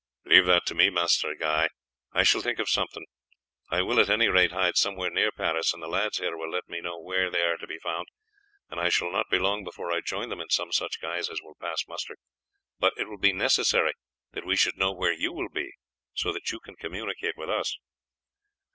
"Leave that to me, Master Guy, I shall think of something. I will at any rate hide somewhere near Paris, and the lads here will let me know where they are to be found, and I shall not be long before I join them in some such guise as will pass muster. But it will be necessary that we should know where you will be, so that you can communicate with us."